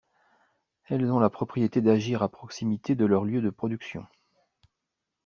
Elles ont la propriété d’agir à proximité de leur lieu de production.